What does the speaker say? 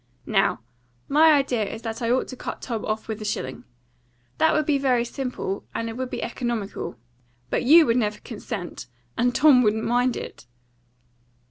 Now, my idea is that I ought to cut Tom off with a shilling. That would be very simple, and it would be economical. But you would never consent, and Tom wouldn't mind it."